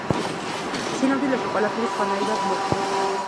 სინამდვილეში ყველაფერი სხვანაირად მოხდა.